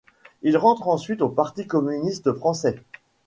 Il rentre ensuite au Parti communiste français.